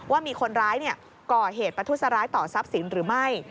ว่ามีคนร้ายก่อเหตุประทุษร้ายต่อทรัพย์สินหรือไม่